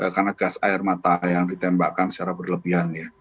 karena gas air mata yang ditembakkan secara berlebihan ya